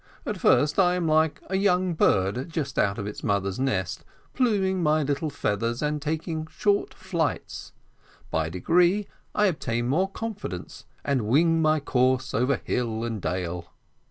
At first, I am like a young bird just out of its mother's nest, pluming my little feathers and taking short flights. By degrees I obtain more confidence, and wing my course over hill and dale.